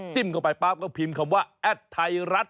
เข้าไปปั๊บก็พิมพ์คำว่าแอดไทยรัฐ